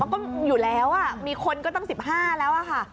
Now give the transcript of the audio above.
มันก็อยู่แล้วอ่ะมีคนก็ต้องสิบห้าแล้วอ่ะค่ะ